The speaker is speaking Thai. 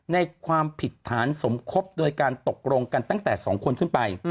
ในความผิดฐานสมคบโดยการตกลงกันตั้งแต่๒คนขึ้นไป